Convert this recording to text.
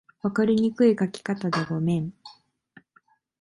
分かりにくい書き方でごめん